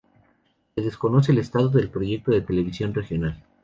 Se desconoce el estado del proyecto de televisión regional.